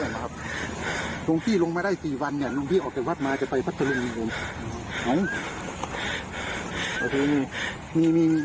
หลวงพี่ลงมาได้๔วันเนี่ยหลวงพี่ออกจากวัดมาจะไปพัทธรุง